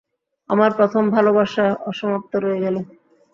আমার প্রথম ভালোবাসা অসমাপ্ত রয়ে গেলো।